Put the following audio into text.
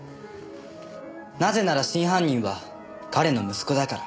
なぜなら真犯人は彼の息子だから。